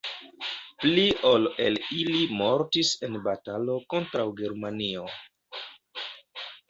Pli ol el ili mortis en batalo kontraŭ Germanio.